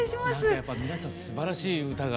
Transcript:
やっぱ皆さんすばらしい歌が。